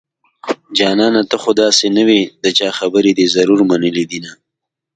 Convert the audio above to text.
جانانه ته خو داسې نه وي د چا خبرې دې ضرور منلي دينه